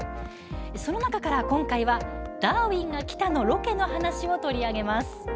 その中から、今回は「ダーウィンが来た！」のロケの話を取り上げます。